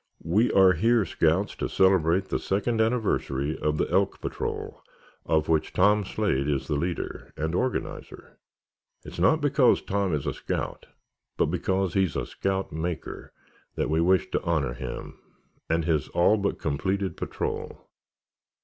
"We are here, scouts, to celebrate the second anniversary of the Elk Patrol of which Tom Slade is the leader—and organizer. It is not because Tom is a scout, but because he is a scout maker, that we wish to honor him, and his all but completed patrol.